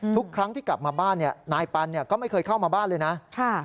ทุกครั้งที่กลับมาบ้านนายปันก็ไม่เคยเข้ามาบ้านเลยนะ